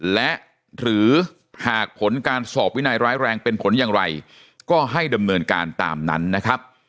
และหรือหากผลการสอบวินัยร้ายแรงเป็นผลอย่างไรก็ให้ดำเนินการตามนั้นนะครับ